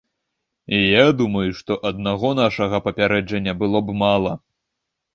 Я думаю, што аднаго нашага папярэджання было б мала.